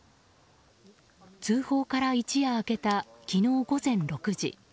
通報から一夜明けた昨日午前６時。